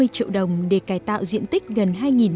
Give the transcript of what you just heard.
triệu đồng để cài tạo diện tích gần